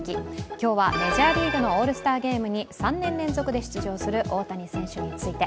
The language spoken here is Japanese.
今日は、メジャーリーグのオールスターゲームに３年連続で出場する大谷選手について。